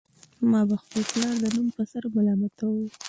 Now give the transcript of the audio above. ما به خپل پلار د نوم په سر ملامتاوه